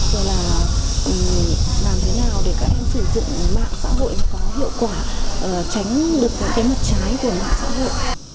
rồi là làm thế nào để các em sử dụng mạng xã hội có hiệu quả tránh được những cái mặt trái của mạng xã hội